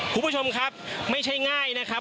คุณผู้ชมครับไม่ใช่ง่ายนะครับ